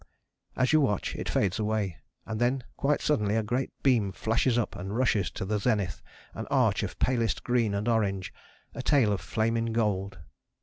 As you watch, it fades away, and then quite suddenly a great beam flashes up and rushes to the zenith, an arch of palest green and orange, a tail of flaming gold.